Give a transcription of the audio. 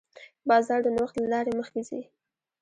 بازار د نوښت له لارې مخکې ځي.